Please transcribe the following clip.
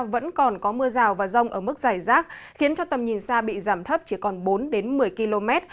vẫn còn có mưa rào và rông ở mức dài rác khiến cho tầm nhìn xa bị giảm thấp chỉ còn bốn đến một mươi km